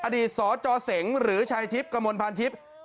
อดีตสอจอเสงหรือชายทิพย์กระมวลภัณฑ์ทิพย์